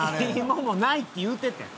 「芋もない」って言うててん。